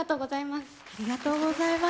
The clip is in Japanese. ありがとうございます。